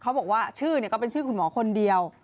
บอกว่าชื่อก็เป็นชื่อคุณหมอคนเดียว